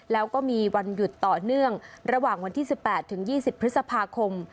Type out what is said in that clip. แล้วก็มีวันหยุดต่อเนื่องระหว่างวันที่๑๘ถึง๒๐พฤษภาคม